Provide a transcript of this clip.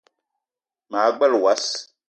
Ma gbele wass